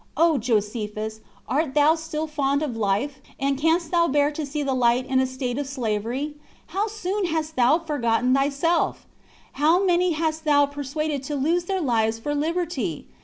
O Josephus! art thou still fond of life? and canst thou bear to see the light in a state of slavery? How soon hast thou forgotten thyself! How many hast thou persuaded to lose their lives for liberty!